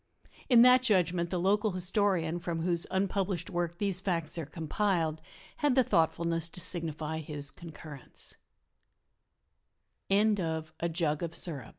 In that judgment the local historian from whose unpublished work these facts are compiled had the thoughtfulness to signify his concurre